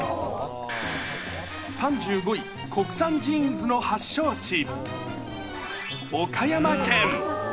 ３５位、国産ジーンズの発祥地、岡山県。